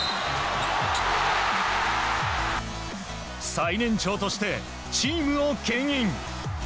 最年長としてチームを牽引。